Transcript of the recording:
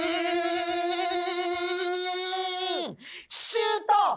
シュート！